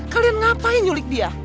kalian ngapain nyulik dia